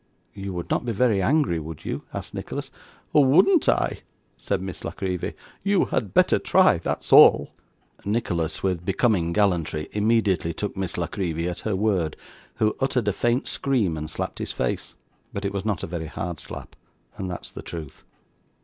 'You would not be very angry, would you?' asked Nicholas. 'Wouldn't I!' said Miss La Creevy. 'You had better try; that's all!' Nicholas, with becoming gallantry, immediately took Miss La Creevy at her word, who uttered a faint scream and slapped his face; but it was not a very hard slap, and that's the truth.